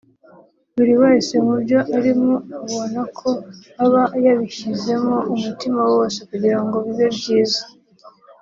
buri wese mu byo arimo ubona ko aba yabishyizemo umutima wose kugira ngo bibe byiza